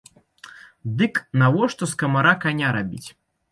Дык навошта з камара каня рабіць?